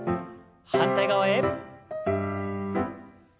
反対側へ。